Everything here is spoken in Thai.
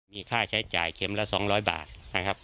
มีค่าใช้จ่ายเข็มละ๒๐๐บาทนะครับ